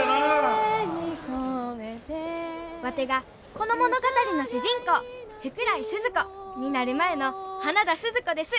「胸にこめて」ワテがこの物語の主人公福来スズ子！になる前の花田鈴子です！